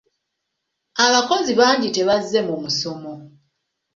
Abakozi bangi tebazze mu musomo.